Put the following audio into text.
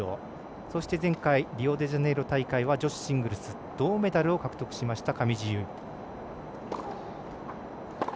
そして前回リオデジャネイロ大会女子シングルス銅メダルを獲得しました上地結衣。